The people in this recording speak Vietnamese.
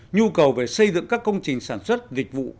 nhu cầu về xây dựng các công trình sản xuất dịch vụ